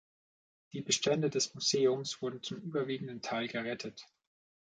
Die Bestände des Museums wurden zum überwiegenden Teil gerettet.